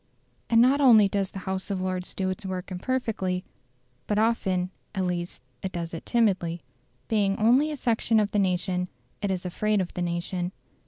And not only does the House of Lords do its work imperfectly, but often, at least, it does it timidly. Being only a section of the nation, it is afraid of the nation.